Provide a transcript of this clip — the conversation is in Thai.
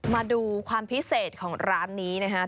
มาดูความพิเศษของร้านนี้นะครับ